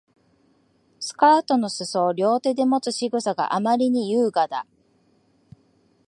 スカートの裾を両手でもつ仕草があまりに優雅だ